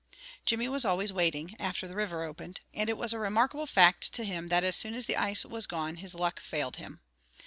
Jimmy was always waiting, after the river opened, and it was a remarkable fact to him that as soon as the ice was gone his luck failed him.